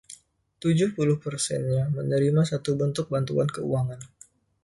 Tujuh puluh persennya menerima satu bentuk bantuan keuangan.